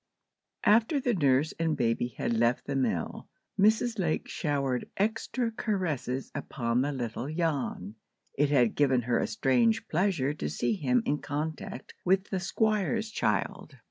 AFTER the nurse and baby had left the mill, Mrs. Lake showered extra caresses upon the little Jan. It had given her a strange pleasure to see him in contact with the Squire's child.